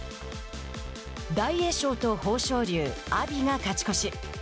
大栄翔と豊昇龍阿炎が勝ち越し。